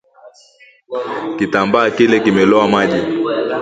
Kitambaa kile kimelowa maji